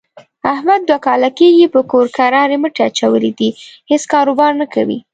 احمد دوه کاله کېږي په کور کرارې مټې اچولې دي، هېڅ کاروبار نه کوي.